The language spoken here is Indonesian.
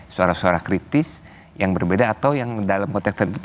suara suara kritis yang berbeda atau yang dalam konteks tertentu